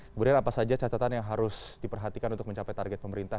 kemudian apa saja catatan yang harus diperhatikan untuk mencapai target pemerintah